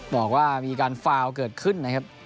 บอกว่ามีการเกิดขึ้น